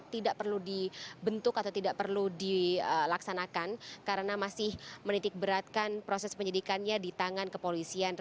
tidak perlu dibentuk atau tidak perlu dilaksanakan karena masih menitik beratkan proses penyidikannya di tangan kepolisian